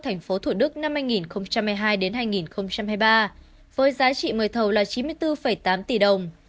thành phố thủ đức năm hai nghìn hai mươi hai hai nghìn hai mươi ba với giá trị mời thầu là chín mươi bốn tám tỷ đồng